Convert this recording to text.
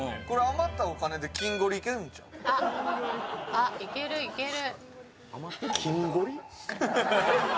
あっ、いけるいける！